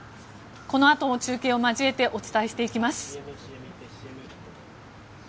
このあとも中継を交えてお伝えしていきます。